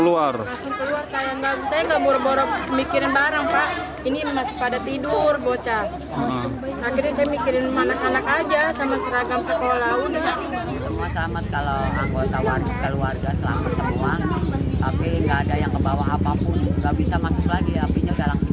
warga terlihat menyelamatkan